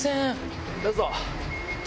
どうぞ。